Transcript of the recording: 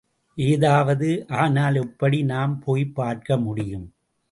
ஏதாவது ஆனால் எப்படி நாம் போய்ப் பார்க்கமுடியும்?